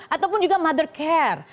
ataupun juga mother care